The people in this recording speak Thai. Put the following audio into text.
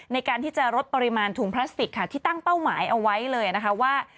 ในการที่จะลดปริมาณถุงพลาสติกค่ะที่ตั้งเป้าหมายเอาไว้เลยนะคะว่า